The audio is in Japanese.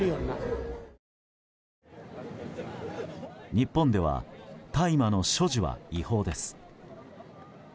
日本では大麻の所持は違法です。